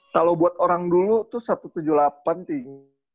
kalau buat orang dulu tuh satu ratus tujuh puluh delapan tinggi